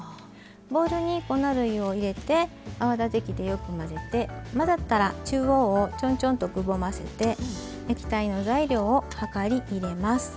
ボウルに粉類を入れて泡立て器でよく混ぜて混ざったら中央をちょんちょんとくぼませて液体の材料を量り入れます。